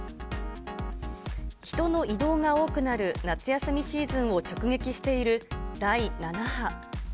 人の移動が多くなる夏休みシーズンを直撃している第７波。